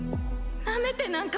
なめてなんか。